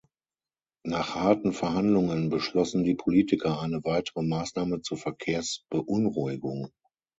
Nach harten Verhandlungen beschlossen die Politiker eine weitere Maßnahme zur Verkehrsbeunruhigung.